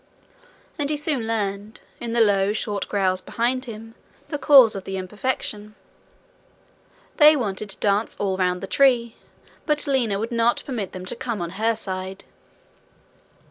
And he soon learned, in the low short growls behind him, the cause of the imperfection: they wanted to dance all round the tree, but Lina would not permit them to come on her side.